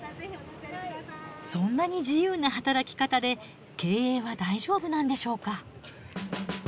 そんなに自由な働き方で経営は大丈夫なんでしょうか？